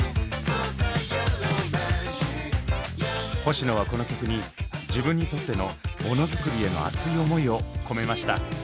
星野はこの曲に自分にとっての「ものづくり」への熱い思いを込めました。